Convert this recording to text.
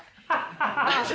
ハハハハ！